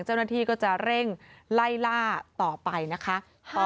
เจ้าหน้าที่ก็จะเร่งไล่ล่าต่อไปนะคะ